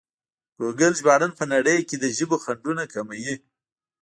ګوګل ژباړن په نړۍ کې د ژبو خنډونه کموي.